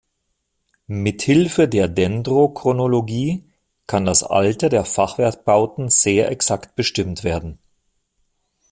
Mithilfe der Dendrochronologie kann das Alter der Fachwerkbauten sehr exakt bestimmt werden.